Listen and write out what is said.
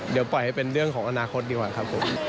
เดี๋ยวปล่อยให้เป็นเรื่องของอนาคตดีกว่าครับผม